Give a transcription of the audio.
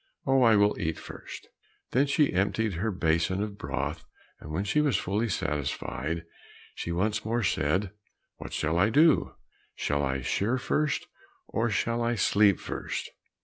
Oh, I will eat first." Then she emptied her basin of broth, and when she was fully satisfied, she once more said, "What shall I do? Shall I shear first, or shall I sleep first?